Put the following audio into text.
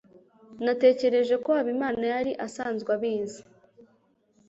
Natekereje ko Habimana yari asanzwe abizi.